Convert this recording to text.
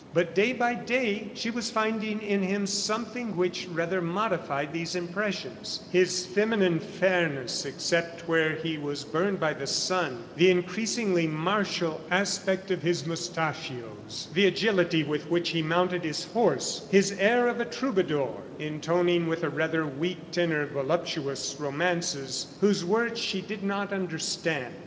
But day by day, she was finding in him something which rather modified these impressions his feminine fairness, except where he was burned by the sun, the increasingly martial aspect of his moustachios, the agility with which he mounted his horse, his air of a troubadour, intoning with a rather weak tenor voluptuous romances whose words she did not understand.